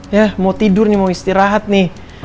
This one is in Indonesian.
ya mau tidur nih mau istirahat nih